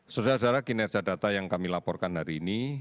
saudara saudara kinerja data yang kami laporkan hari ini